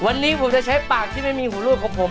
วันนี้ผมจะใช้ปากที่ไม่มีหูรูปของผม